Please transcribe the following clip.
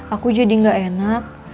aku jadi nggak enak